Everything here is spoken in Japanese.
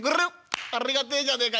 ありがてえじゃねえか。